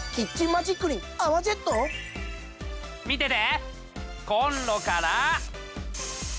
見てて！